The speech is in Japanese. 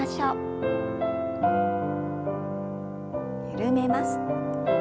緩めます。